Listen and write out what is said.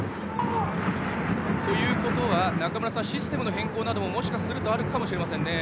ということは中村さん、システムの変更などももしかするとあるかもしれませんね。